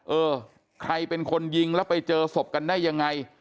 เออใครเป็นคนยิงแล้วไปเจอศพกันได้ยังไง